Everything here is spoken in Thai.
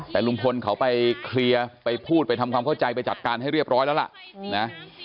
แต่ลุงพลเขาไปเคลียร์ไปพูดไปทำความเข้าใจไปจัดการให้เรียบร้อยแล้วล่ะนะ